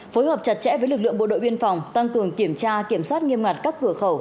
phối hợp chặt chẽ với lực lượng bộ đội biên phòng tăng cường kiểm tra kiểm soát nghiêm ngặt các cửa khẩu